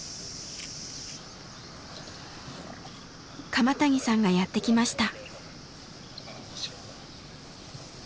鎌谷さんがやって来ました。